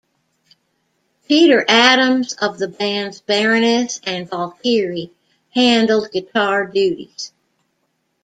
Peter Adams of the bands Baroness and Valkyrie handled guitar duties.